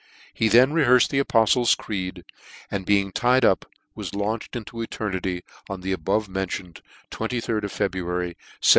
He then rehearfed the apoftle's creed, and being tied up, was launched into eter* nity, on the above mentioned ajd of February, 1719.